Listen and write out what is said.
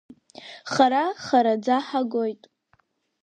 Хара, хараӡа ҳагоит.